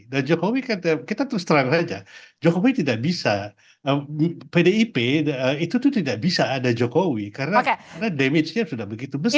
dan jokowi kan kita terus terang saja jokowi tidak bisa pdip itu tuh tidak bisa ada jokowi karena damage nya sudah begitu besar